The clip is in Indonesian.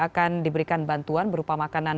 akan diberikan bantuan berupa makanan